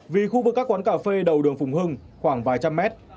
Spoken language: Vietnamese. vì khu vực các quán cà phê đầu đường phùng hưng khoảng vài trăm mét